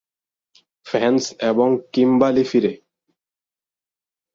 Vance এবং Kimberly ফিরে?